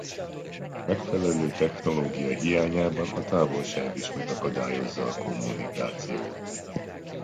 Megfelelő technológia hiányában a távolság is megakadályozza a kommunikációt.